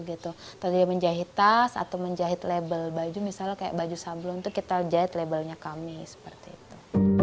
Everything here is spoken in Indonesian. atau dia menjahit tas atau menjahit label baju misalnya kayak baju sablon itu kita jahit labelnya kami seperti itu